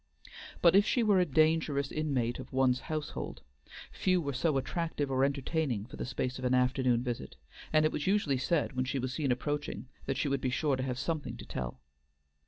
But if she were a dangerous inmate of one's household, few were so attractive or entertaining for the space of an afternoon visit, and it was usually said, when she was seen approaching, that she would be sure to have something to tell.